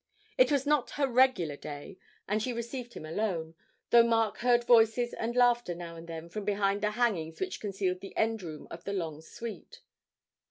It was not her regular day, and she received him alone, though Mark heard voices and laughter now and then from behind the hangings which concealed the end room of the long suite.